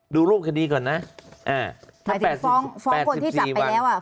ดูรูปคดีก่อนนะอ่าหมายถึงฟ้องฟ้องคนที่จับไปแล้วอ่ะ